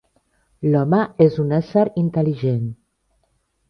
L'home és un ésser intel·ligent.